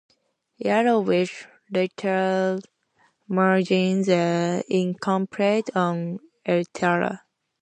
Yellowish lateral margins are incomplete on elytra.